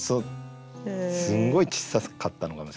すんごいちっさかったのかもしれない本当に。